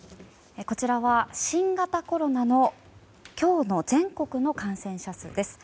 こちらは、新型コロナの今日の全国の感染者数です。